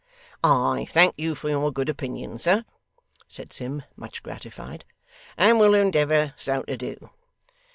'I thank you for your good opinion, sir,' said Sim, much gratified, 'and will endeavour so to do.